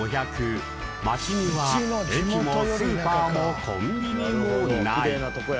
町には駅もスーパーもコンビニもない。